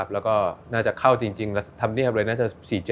แล้วก็น่าจะเข้าจริงแล้วธรรมเนียบเลยน่าจะ๔๗